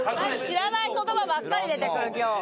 知らない言葉ばっかり出てくる今日。